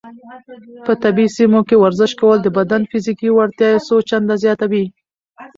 په طبیعي سیمو کې ورزش کول د بدن فزیکي وړتیاوې څو چنده زیاتوي.